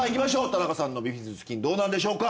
田中さんのビフィズス菌どうなんでしょうか？